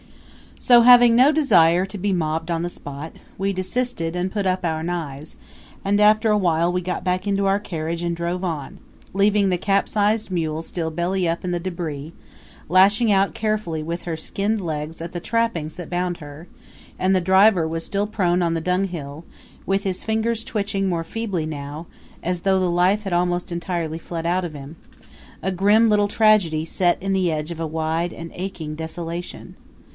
So, having no desire to be mobbed on the spot, we desisted and put up our knives; and after a while we got back into our carriage and drove on, leaving the capsized mule still belly up in the debris, lashing out carefully with her skinned legs at the trappings that bound her; and the driver was still prone on the dunghill, with his fingers twitching more feebly now, as though the life had almost entirely fled out of him a grim little tragedy set in the edge of a wide and aching desolation!